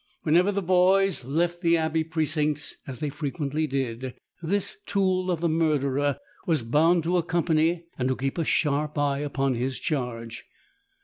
Whenever the boys left the abbey precincts, as they frequently did, this tool of the murderer was bound to accompany and to keep a sharp eye upon his charge.